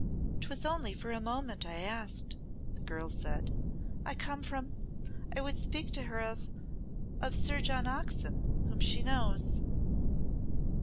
"'Twas only for a moment I asked," the girl said. "I come from I would speak to her of of Sir John Oxon whom she knows."